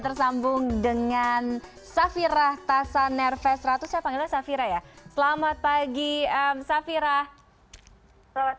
tersambung dengan safira tasanerves ratusnya panggilan safira ya selamat pagi safira selamat